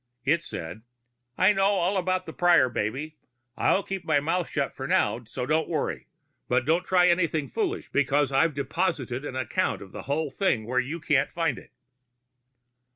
It said, _I know all about the Prior baby. I'll keep my mouth shut for now, so don't worry. But don't try anything foolish, because I've deposited an account of the whole thing where you can't find it.